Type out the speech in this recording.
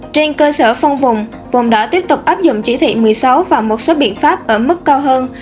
trên cơ sở phân vùng vùng đã tiếp tục áp dụng chỉ thị một mươi sáu và một số biện pháp ở mức cao hơn